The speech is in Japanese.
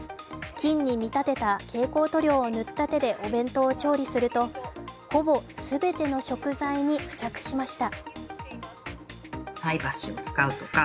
菌に見立てた蛍光塗料を塗った手でお弁当を調理すると、ほぼすべての食材に付着しました。